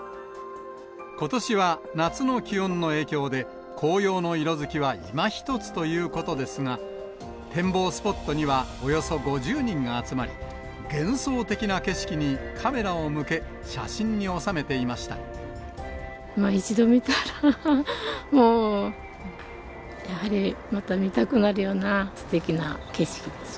ことしは夏の気温の影響で、紅葉の色づきはいまひとつということですが、展望スポットには、およそ５０人が集まり、幻想的な景色にカメラを向け、一度見たら、もうやはり、また見たくなるような、すてきな景色です。